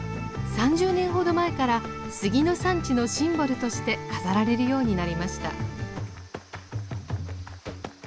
３０年ほど前から杉の産地のシンボルとして飾られるようになりました。